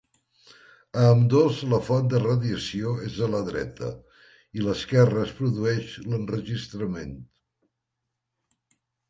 A ambdós la font de radiació és a la dreta, i l'esquerra es produeix l'enregistrament.